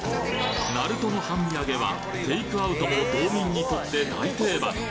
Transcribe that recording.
なるとの半身揚げはテイクアウトも道民にとって大定番。